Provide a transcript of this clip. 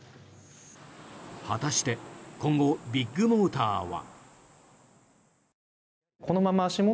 果たして今後ビッグモーターは。